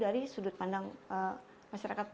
dan coba belajar memperbaiki masalah lainnya